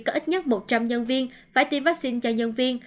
có ít nhất một trăm linh nhân viên phải tiêm vaccine cho nhân viên